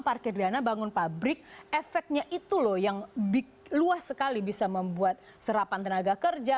parkir dana bangun pabrik efeknya itu loh yang luas sekali bisa membuat serapan tenaga kerja